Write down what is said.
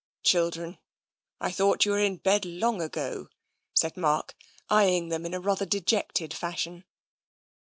" Children, I thought you were in bed long ago,'* said Mark, eyeing them in a rather dejected fashion.